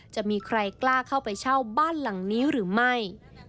จะมีใครกล้าเข้าไปเช่าบ้านหลังนี้หรือไม่